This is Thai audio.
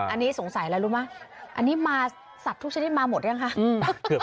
อันนี้สงสัยอะไรรู้ไหมอันนี้มาสัตว์ทุกชนิดมาหมดหรือยังคะ